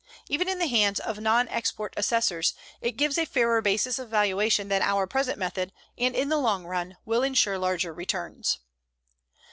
Even in the hands of non expert assessors it gives a fairer basis of valuation than our present method, and in the long run will insure larger returns.